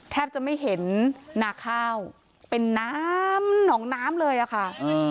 แทบจะไม่เห็นนาข้าวเป็นน้ำหนองน้ำเลยอะค่ะ